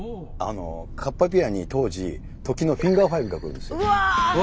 カッパピアに当時時のフィンガー５が来るんですよ。